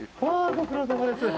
ご苦労さまです